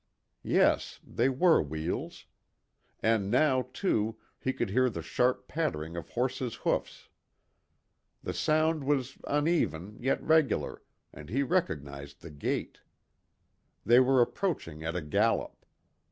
Yes, they were wheels. And now, too, he could hear the sharp pattering of horses' hoofs. The sound was uneven, yet regular, and he recognized the gait. They were approaching at a gallop.